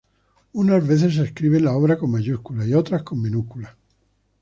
Unas veces se escribe en la obra con mayúsculas y otra con minúsculas.